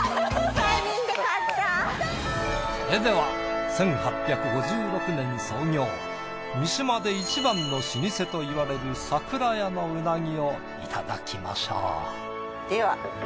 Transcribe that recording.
それでは１８５６年創業三島でいちばんの老舗といわれる桜家のうなぎをいただきましょう。